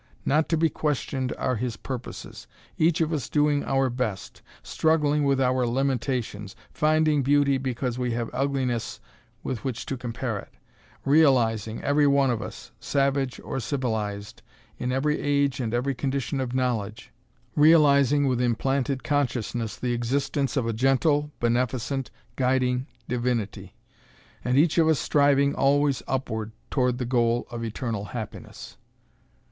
Not to be questioned are His purposes. Each of us doing our best; struggling with our limitations; finding beauty because we have ugliness with which to compare it; realizing, every one of us savage or civilised, in every age and every condition of knowledge realizing with implanted consciousness the existence of a gentle, beneficent, guiding Divinity. And each of us striving always upward toward the goal of Eternal Happiness.